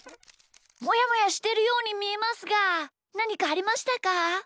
もやもやしてるようにみえますがなにかありましたか？